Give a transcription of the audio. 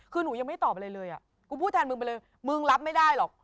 คือหนูยังไม่ตอบอะไรเลยอ่ะกูพูดแทนมึงไปเลยมึงรับไม่ได้หรอก